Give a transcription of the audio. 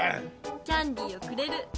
「キャンディーをくれる」。